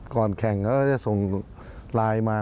ก่อนแข่งก็จะส่งไลน์มา